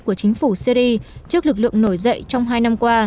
của chính phủ syri trước lực lượng nổi dậy